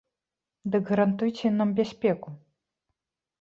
Дык гарантуйце нам бяспеку.